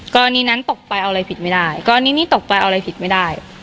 กรณีนั้นตกไปเอาอะไรผิดไม่ได้กรณีนี้ตกไปเอาอะไรผิดไม่ได้